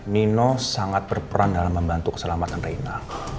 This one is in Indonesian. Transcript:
nino sangat berperan dalam membantu keselamatan reina